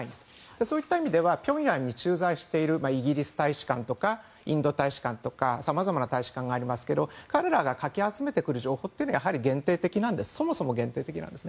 そういった意味ではピョンヤンに駐在しているイギリス大使館とかインド大使館とかさまざまな大使館がありますが彼らがかき集めてくる情報というのはそもそも限定的なんです。